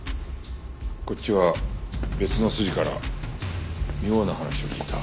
こっちは別の筋から妙な話を聞いた。